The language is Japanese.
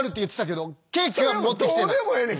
どうでもええねん。